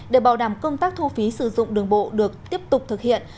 để bảo đảm công tác thu phí sử dụng đường bộ được tiếp tục thực hiện